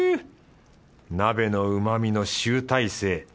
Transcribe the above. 鍋のうまみの集大成。